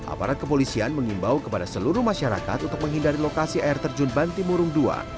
aparat kepolisian mengimbau kepada seluruh masyarakat untuk menghindari lokasi air terjun bantimurung ii